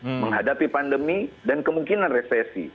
menghadapi pandemi dan kemungkinan resesi